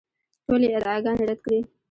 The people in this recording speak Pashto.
ټولې ادعاګانې رد کړې.